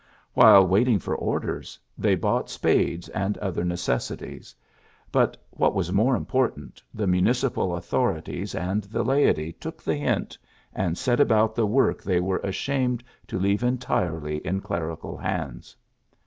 While waiting for orders, they bought spades and other necessities j but, what was more important, the municipal au thorities and the laity took the hint, and set about the work they were ashamed to leave entirely in clerical hands.